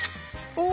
お！